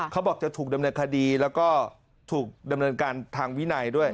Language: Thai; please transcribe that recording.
เขาบอกจะถูกดำเนินคดีแล้วก็ถูกดำเนินการทางวินัยด้วย